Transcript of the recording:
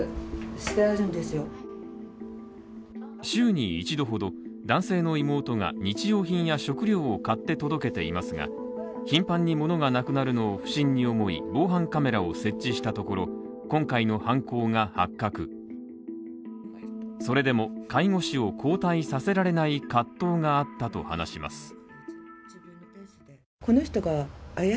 週に一度ほど男性の妹が日用品や食料を買って届けていますが頻繁に物がなくなるのを不審に思い、防犯カメラを設置したところ、今回の犯行が発覚それでも介護士を交代させられない葛藤があったと話します。